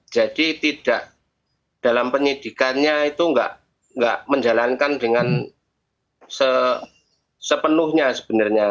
jadi tidak dalam penyidikannya itu nggak menjalankan dengan sepenuhnya sebenarnya